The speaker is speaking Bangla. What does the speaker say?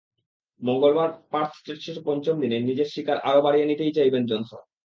মঙ্গলবার পার্থ টেস্টের পঞ্চম দিনে নিজের শিকার আরও বাড়িয়ে নিতেই চাইবেন জনসন।